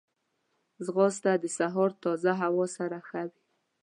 ځغاسته د سهار تازه هوا سره ښه وي